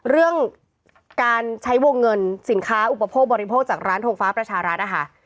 เรื่องการใช้วงเงินสินค้าอุปโภคบริโภคจากร้านทงฟ้าประชารัฐนะคะ